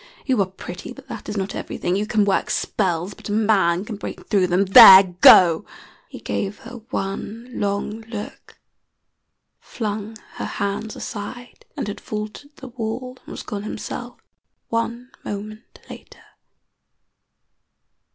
You are pretty, but that is not everything. You can work spells, but a man can break through them. There! Go!" He gave her one long look, flung her hands aside, and had vaulted the wall and was gone himself one moment later.